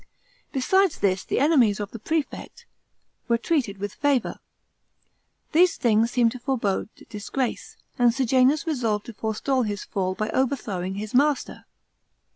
Besides this the enemies ol' the prefect were 1 1 eated with favour. The»>e things seemed to forebode disgrace, and Sejnnus resolved to forestal his fall by overthrowing his master.